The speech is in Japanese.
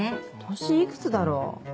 年いくつだろう？